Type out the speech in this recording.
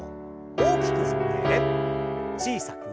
大きく振って小さく。